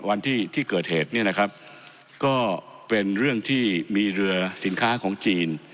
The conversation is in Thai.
วันที่เกิดเหตุเนี่ยนะครับก็เป็นเรื่องที่มีเรือสินค้าของจีน